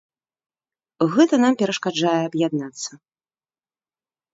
Гэта нам перашкаджае аб'яднацца.